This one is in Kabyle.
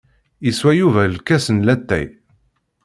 Yeswa Yuba lkas n latay.